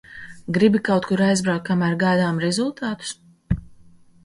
Gribi kaut kur aizbraukt, kamēr gaidām rezultātus?